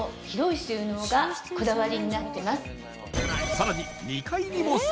さらに